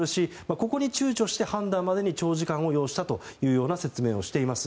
ここに躊躇して判断までに長時間を要したというような説明をしています。